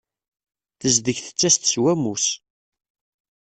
Tezdeg tettas-d s wammus.